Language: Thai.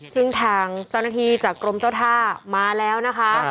ซึ่งทางเจ้าหน้าที่จากกรมเจ้าท่ามาแล้วนะคะ